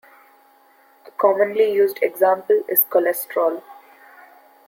A commonly used example is cholesterol.